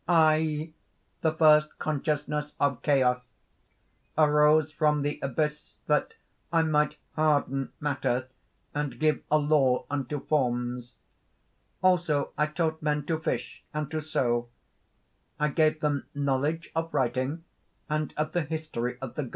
"I, the first consciousness of CHAOS, arose from the abyss that I might harden matter, and give a law unto forms: also I taught men to fish and to sow: I gave them knowledge of writing, and of the history of the gods.